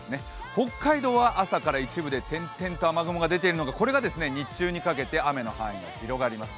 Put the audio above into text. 北海道は朝から一部で点々と雨雲が出ているのがこれが日中にかけて、雨の範囲が広がります。